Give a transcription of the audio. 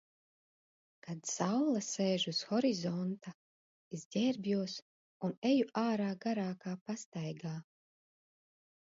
Kad saule sēž uz horizonta, es ģērbjos un eju ārā garākā pastaigā.